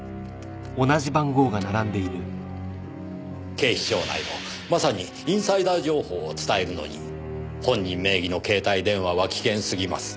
警視庁内のまさにインサイダー情報を伝えるのに本人名義の携帯電話は危険すぎます。